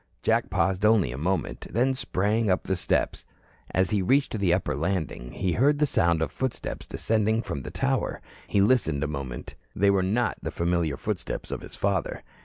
Jack paused only a moment, then sprang up the steps. As he reached the upper landing, he heard the sound of footsteps descending from the tower. He listened a moment. They were not the familiar footsteps of his father.